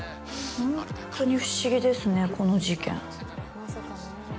本当に不思議ですねこの事件。